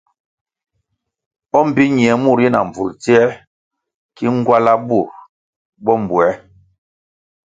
O mbpi ñie mur yi na mbvulʼ tsiē ki ngwala burʼ bo mbwē.